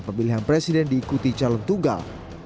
pemilihan presiden diikuti calon tunggal